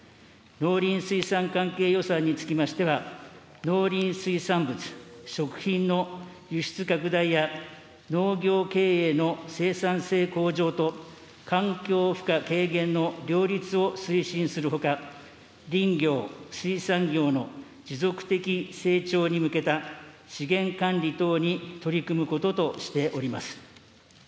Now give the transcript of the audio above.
農林水産関係予算につきましては、農林水産物・食品の輸出拡大や、農業経営の生産性向上と環境負荷軽減の両立を推進するほか、林業・水産業の持続的成長に向けた資源管理等に取り組むこととしております。